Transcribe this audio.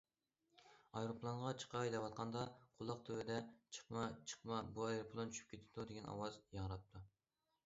ئايروپىلانغا چىقاي دەۋاتقاندا، قۇلاق تۈۋىدە:‹‹ چىقما، چىقما، بۇ ئايروپىلان چۈشۈپ كېتىدۇ!›› دېگەن ئاۋاز ياڭراپتۇ.